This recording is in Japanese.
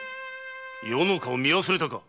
余の顔を見忘れたか